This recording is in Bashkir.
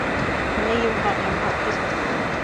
— Ни, Йомғаҡ, Йомғаҡ, һөс!